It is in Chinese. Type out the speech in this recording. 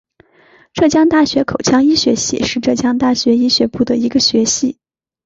浙江大学口腔医学系是浙江大学医学部的一个学系。